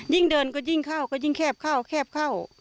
ยิ่งเดินก็ยิ่งเข้าก็ยิ่งแคบเข้า